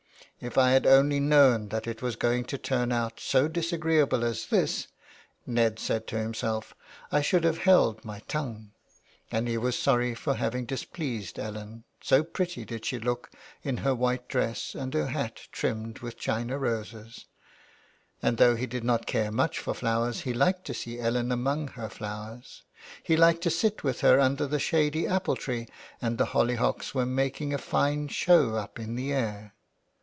" If I had only known that it was going to turn out so disagreeable as this," Ned said to himself, " I should have held my tongue,'' and he was sorry for having displeased Ellen, so pretty did she look in her white dress and her hat trimmed with china roses ; and though he did not care much for flowers he liked to see Ellen among her flowers ; he liked to sit with her under the shady apple tree, and the holly hocks were making a fine show up in the air.